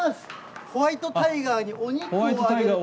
ホワイトタイガーにお肉を。